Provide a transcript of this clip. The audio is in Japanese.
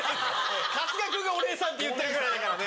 春日君が「お姉さん」って言ってるぐらいだからね。